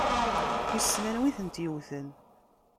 Wissen anwa i tent-yewwten?